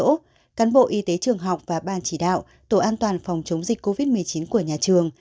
các cán bộ y tế trường học và ban chỉ đạo tổ an toàn phòng chống dịch covid một mươi chín của nhà trường